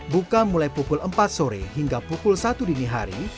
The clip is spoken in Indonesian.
buka mulai pukul empat sore hingga pukul satu dini hari